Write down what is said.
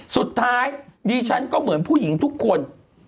สุดท้ายดิฉันก็เหมือนผู้หญิงทุกคน